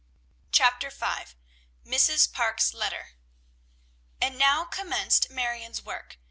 CHAPTER V. MRS. PARKE'S LETTER. And now commenced Marion's work.